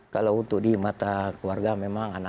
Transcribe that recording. kalau untuk di mata keluarga memang